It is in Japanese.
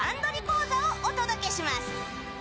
講座をお届けします。